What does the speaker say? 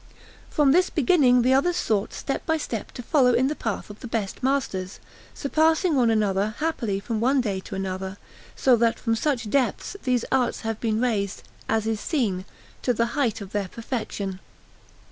From this beginning the others sought step by step to follow in the path of the best masters, surpassing one another happily from one day to another, so that from such depths these arts have been raised, as is seen, to the height of their perfection.